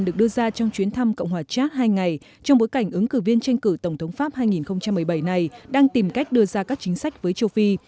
được đưa ra trong chuyến thăm cộng hòa charles hai ngày trong bối cảnh ứng cử viên tranh cử tổng thống pháp hai nghìn một mươi bảy này đang tìm cách đưa ra các chính sách với châu phi